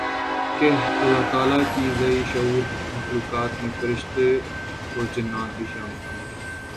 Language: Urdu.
کہ اللہ تعالیٰ کی ذی شعور مخلوقات میں فرشتے اورجنات بھی شامل ہیں